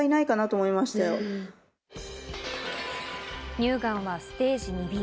乳がんはステージ２Ｂ。